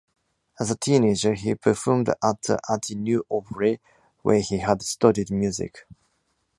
As a teenager he performed at the Ateneu Obrer, where he had studied music.